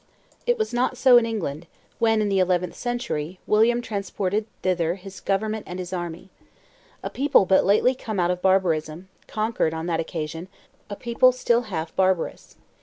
It was not so in England, when, in the eleventh century, William transported thither his government and his army. A people but lately come out of barbarism, conquered, on that occasion, a people still half barbarous.